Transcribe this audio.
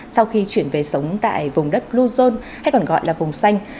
sau khi chuyển về sống tại vùng đất blue zone hay còn gọi là vùng xanh